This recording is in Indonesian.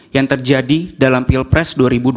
yang terjadi dalam pilpres dua ribu dua puluh